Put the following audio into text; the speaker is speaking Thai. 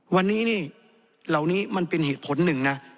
วันนี้นี่เหล่านี้มันเป็นเหตุผลหนึ่งนะ